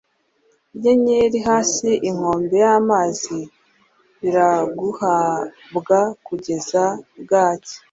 Inyenyeri hasi Inkombe y'amazi Iraguhabwa kugeza bwacya.